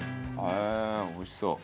へえーおいしそう。